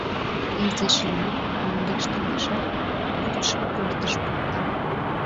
Изиш лиймек, мӧҥгеш толешат, вӱдшым пӧртыш пурта.